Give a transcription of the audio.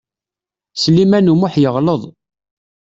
Sliman U Muḥ yeɣleḍ.